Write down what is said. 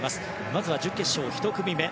まずは準決勝１組目。